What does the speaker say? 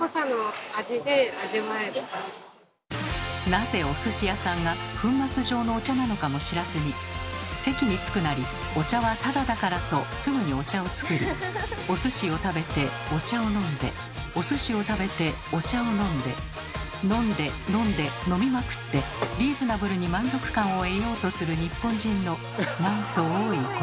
なぜお寿司屋さんは粉末状のお茶なのかも知らずに席に着くなりお茶はタダだからとすぐにお茶を作りお寿司を食べてお茶を飲んでお寿司を食べてお茶を飲んで飲んで飲んで飲みまくってリーズナブルに満足感を得ようとする日本人のなんと多いことか。